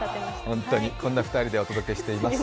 本当に、こんな２人でお届けしています。